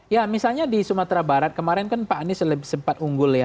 ya misalnya di sumatera barat kemarin kan pak anies sempat unggul ya